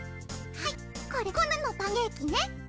はいこれコヌのパンケーキね。